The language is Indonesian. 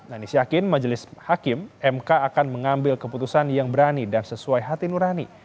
nanis yakin majelis hakim mk akan mengambil keputusan yang berani dan sesuai hati nurani